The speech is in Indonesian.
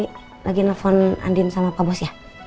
lagi lagi nelfon andin sama pak bos ya